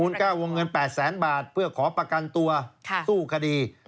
มูลก้าววงเงิน๘๐๐๐๐๐บาทเพื่อขอประกันตัวสู้คดี